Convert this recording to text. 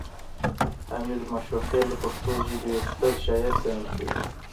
حمید ماشوخیل د پښتو ژبې یو ستر شاعر ګڼل کیږي